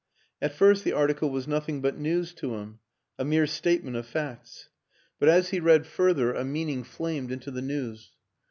At first the article was nothing but news to him, a mere statement of facts ; but as he read further WILLIAM AN ENGLISHMAN 197 a meaning flamed into the news.